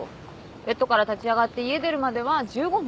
ベッドから立ち上がって家出るまでは１５分。